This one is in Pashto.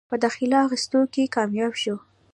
پۀ داخله اخستو کښې کامياب شو ۔